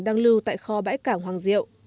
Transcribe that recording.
đang lưu tại kho bãi cảng hoàng diệu